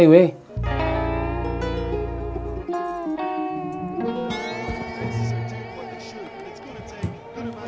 ini warno lagi di jalan